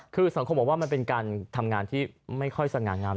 คือสังคมบอกว่ามันเป็นการทำงานที่ไม่ค่อยสง่างาม